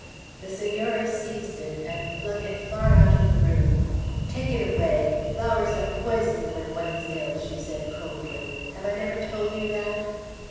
The Senora seized it, and flung it far out in the room. "Take it away! Flowers are poison when one is ill," she said coldly. "Have I never told you that?"